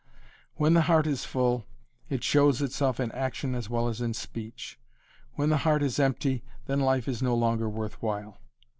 When the heart is full, it shows itself in action as well as in speech. When the heart is empty, then life is no longer worth while.